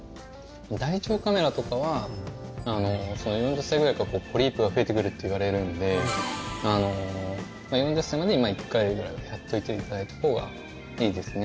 大腸カメラとかは４０歳くらいからポリープが増えてくるっていわれるんで４０歳までに１回ぐらいはやっておいていただいたほうがいいですね。